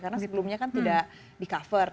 karena sebelumnya kan tidak di cover